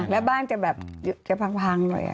แล้วบ้านจะแบบพังเลย